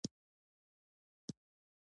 ایا غږ مو بدل شوی دی؟